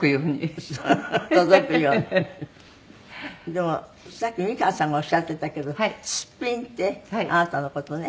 でもさっき美川さんがおっしゃっていたけどスッピンってあなたの事ね。